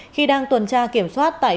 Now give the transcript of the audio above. khi đang tuần tra kiểm soát tại địa phương